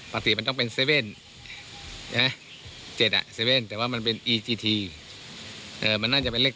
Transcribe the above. ปกติมันต้องเป็นเจ็ดอ่ะเจ็ดแต่ว่ามันเป็นเอียมันน่าจะเป็นเลข